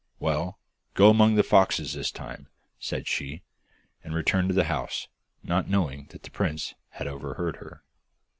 'Well, go among the foxes this time,' said she, and returned to the house, not knowing that the prince had overheard her.